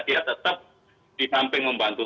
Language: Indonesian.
dia tetap di samping membantu